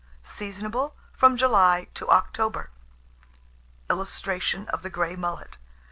Seasonable from July to October. [Illustration: THE GREY MULLET.